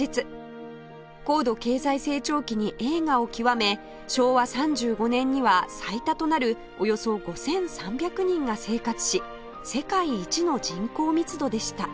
高度経済成長期に栄華を極め昭和３５年には最多となるおよそ５３００人が生活し世界一の人口密度でした